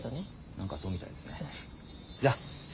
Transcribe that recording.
何かそうみたいですね。